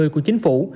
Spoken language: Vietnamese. của chính phủ